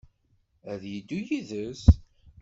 Ad yeddu yid-s?